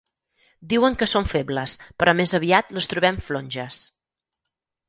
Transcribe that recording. Diuen que són febles, però més aviat les trobem flonges.